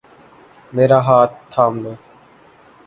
میرا ہاتھ تھامو